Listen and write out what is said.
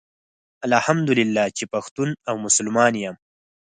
الحمدالله چي پښتون او مسلمان يم